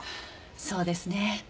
そうですね。